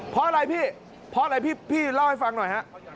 เพราะอะไรพี่เรารอให้ฟังหน่อย